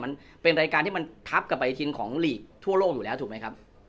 มันเป็นรายการที่มันทับกลับไปทินของหลีกทั่วโลกอยู่แล้วถูกไหมครับ